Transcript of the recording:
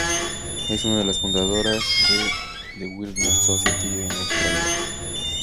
Es una de las fundadoras de The Wilderness Society en Australia.